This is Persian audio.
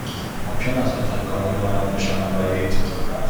ممکن است لطفاً کابین مرا نشانم دهید؟